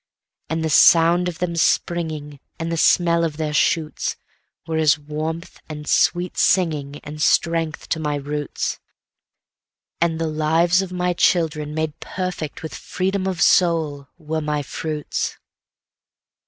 And the sound of them springingAnd smell of their shootsWere as warmth and sweet singingAnd strength to my roots; And the lives of my children made perfect with freedom of soul were my fruits.